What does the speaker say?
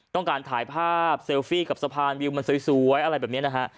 ต้องการถ่ายภาพเซลฟี่กับสะพานวิวมันสวยอะไรแบบนี้นะฮะ